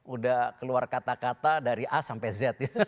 udah keluar kata kata dari a sampai z ya